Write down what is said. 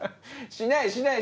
しないしない！